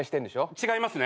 違いますね。